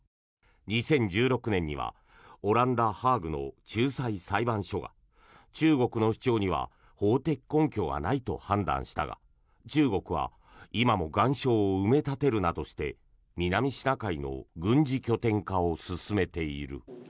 ２０１６年にはオランダ・ハーグの仲裁裁判所が中国の主張には法的根拠がないと判断したが中国は今も岩礁を埋め立てるなどして南シナ海の軍事拠点化を進めている。